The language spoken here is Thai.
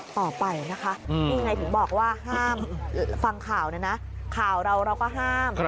ต่อไปนะคะนี่ไงถึงบอกว่าห้ามฟังข่าวนะนะข่าวเราเราก็ห้าม